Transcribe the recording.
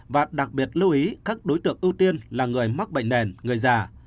và đặc biệt lưu ý các đối tượng ưu tiên là người mắc bệnh nền người già